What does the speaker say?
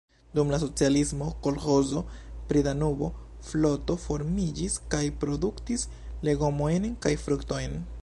Dum la socialismo kolĥozo pri Danubo-floto formiĝis kaj produktis legomojn kaj fruktojn.